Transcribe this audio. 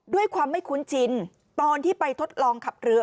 ด้วยความไม่คุ้นชินตอนที่ไปทดลองขับเรือ